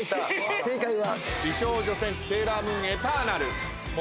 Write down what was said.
正解は。